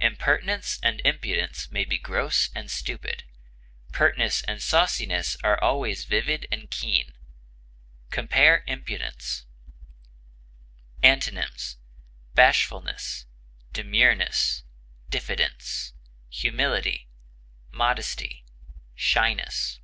Impertinence and impudence may be gross and stupid; pertness and sauciness are always vivid and keen. Compare IMPUDENCE. Antonyms: bashfulness, demureness, diffidence, humility, modesty, shyness.